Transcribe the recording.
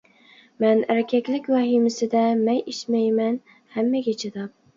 مەن ئەركەكلىك ۋەھىمىسىدە، مەي ئىچمەيمەن ھەممىگە چىداپ.